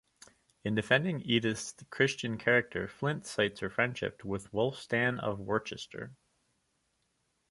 In defending Edith's Christian character Flint cites her friendship with Wulfstan of Worcester.